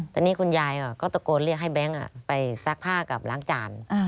ตอนนี้คุณยายก็ตะโกนเรียกให้แบงค์ไปซักผ้ากับล้างจาน